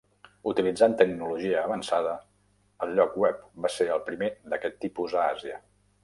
Utilitzant tecnologia avançada, el lloc web va ser el primer d'aquest tipus a Àsia.